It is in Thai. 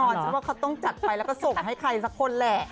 ฉันว่าเขาต้องจัดไปแล้วก็ส่งให้ใครสักคนแหละ